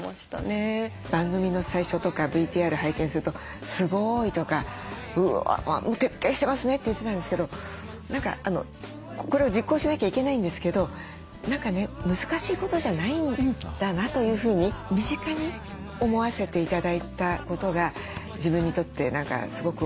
番組の最初とかＶＴＲ拝見すると「すごい」とか「うわ徹底してますね」って言ってたんですけど何かこれを実行しなきゃいけないんですけど何かね難しいことじゃないんだなというふうに身近に思わせて頂いたことが自分にとって何かすごく大きかった。